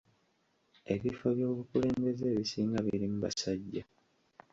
Ebifo by'obukulembeze ebisinga birimu basajja.